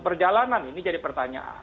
perjalanan ini jadi pertanyaan